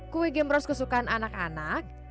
kue gemros kesukaan anak anak